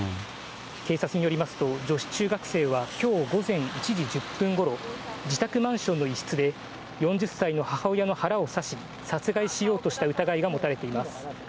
警察によりますと、女子中学生はきょう午前１時１０分ごろ、自宅マンションの一室で、４０歳の母親の腹を刺し、殺害しようとした疑いが持たれています。